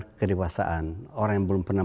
kedewasaan orang yang belum pernah